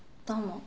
どうも。